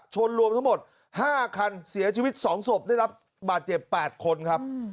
รวมทั้งหมด๕คันเสียชีวิต๒ศพได้รับบาดเจ็บ๘คนครับ